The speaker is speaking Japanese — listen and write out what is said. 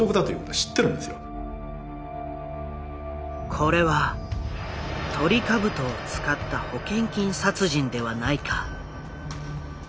これはトリカブトを使った保険金殺人ではないか。